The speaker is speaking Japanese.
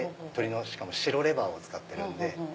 しかも白レバーを使ってるんで。